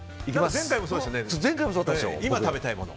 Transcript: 前回もそうでしたね。